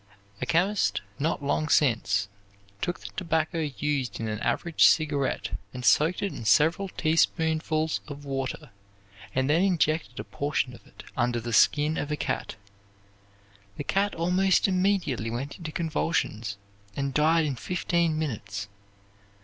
A chemist, not long since, took the tobacco used in an average cigarette and soaked it in several teaspoonfuls of water and then injected a portion of it under the skin of a cat. The cat almost immediately went into convulsions, and died in fifteen minutes.